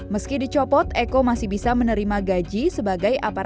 meski dicopot eko masih bisa menerima gaji sebagai aparat